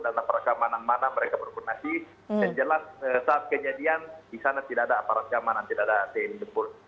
dan aparat keamanan mana mereka berkoordinasi dan jalan saat kejadian di sana tidak ada aparat keamanan tidak ada tni jepul